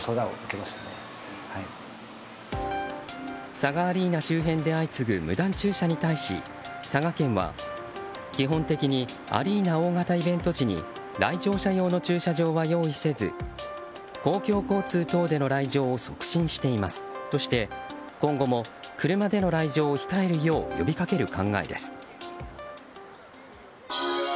ＳＡＧＡアリーナ周辺で相次ぐ無断駐車に対し佐賀県は、基本的にアリーナ大型イベント時に来場者用の駐車場は用意せず公共交通等での来場を促進していますとして今後も車での来場を控えるよう呼びかける考えです。